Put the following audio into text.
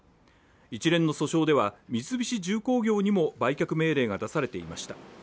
一連の訴訟では三菱重工業にも売却命令が出されていました。